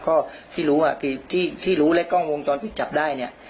ก็ที่รู้อ่ะคือที่รู้และกล้องวงจรปิดจับได้เนี่ย